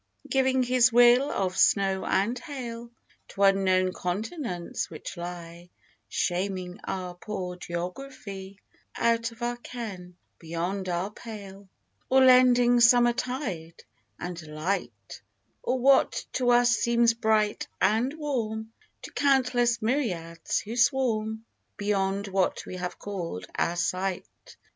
Giving His will of snow and hail To unknown continents, which lie (Shaming our poor geography), Out of our ken, — beyond our pale — Or lending summer tide and light Or what to us seems bright and warm, To countless myriads, who swarm Beyond what we have called our sight.